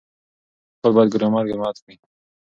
هر لیکوال باید ګرامر مراعت کړي.